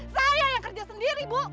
saya yang kerja sendiri bu